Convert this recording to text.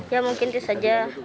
ya mungkin itu saja